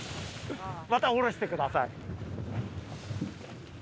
また下ろしてください。